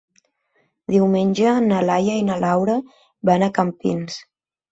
Diumenge na Laia i na Laura van a Campins.